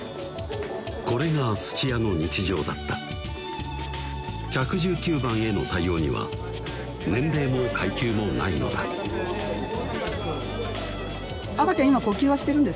これが土屋の日常だった１１９番への対応には年齢も階級もないのだ赤ちゃん